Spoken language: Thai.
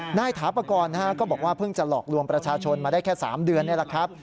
นายถาปกรณ์ก็บอกว่าเพิ่งจะหลอกลวงประชาชนมาได้แค่๓เดือนนี่แหละครับ